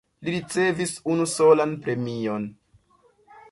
Li ricevis unusolan premion.